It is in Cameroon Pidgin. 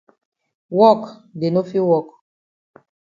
Wok dey no fit wok.